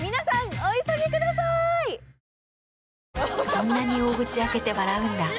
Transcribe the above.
そんなに大口開けて笑うんだ。